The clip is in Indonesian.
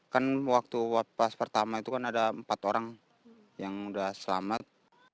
kan waktu pas pertama itu kan ada empat orang yang sudah selamat